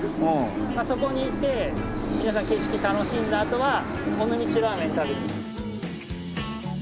そこに行って皆さん景色楽しんだあとは尾道ラーメン食べに。